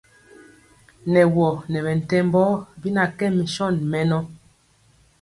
Nɛ wɔ nɛ ntɛmbɔɔ bi na kɛ mison mɛnɔ.